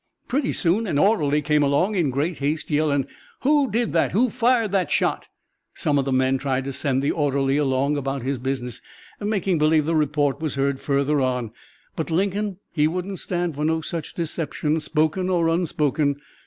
"Pretty soon an orderly came along in great haste, yellin', 'Who did that? Who fired that shot?' Some of the men tried to send the orderly along about his business, making believe the report was heard further on, but Lincoln he wouldn't stand for no such deception, spoken or unspoken.